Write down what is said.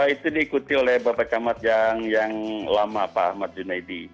itu diikuti oleh bapak camat yang lama pak ahmad junaidi